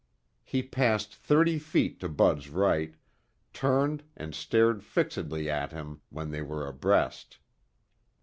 He passed thirty feet to Bud's right, turned and stared fixedly at him when they were abreast.